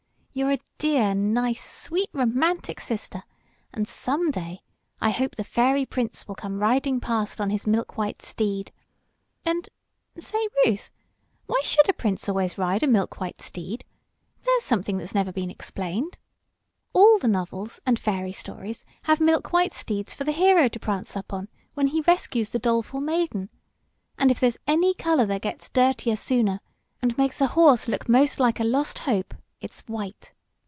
You're a dear, nice, sweet, romantic sister, and some day I hope the Fairy Prince will come riding past on his milk white steed and, say, Ruth, why should a prince always ride a milk white steed? There's something that's never been explained. "All the novels and fairy stories have milk white steeds for the hero to prance up on when he rescues the doleful maiden. And if there's any color that gets dirtier sooner, and makes a horse look most like a lost hope, it's white.